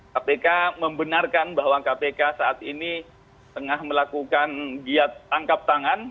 kpk membenarkan bahwa kpk saat ini tengah melakukan giat tangkap tangan